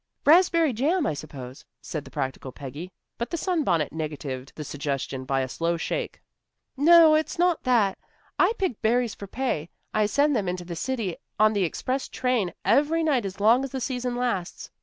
"Raspberry jam, I suppose," said the practical Peggy, but the sunbonnet negatived the suggestion by a slow shake. "No. It's not that. I pick berries for pay. I send them into the city on the express train every night as long as the season lasts.